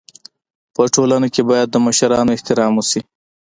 په ټولنه کي بايد د مشرانو احترام وسي.